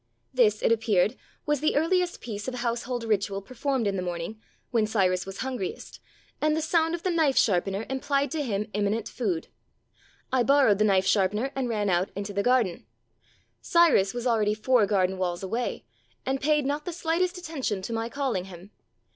This, it appeared, was the earliest piece of household ritual performed in the morning, when Cyrus was hungriest, and the sound of the knife sharpener implied to him imminent food. I borrowed the knife sharpener and ran out into the garden. Cvrus was already four garden walls away, and paid not the slightest attention to my calling him.